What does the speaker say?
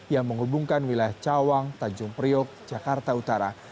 yang menghubungkan wilayah cawang tanjung priok jakarta utara